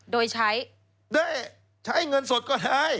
โดยใช้ได้ใช้เงินสดก็ได้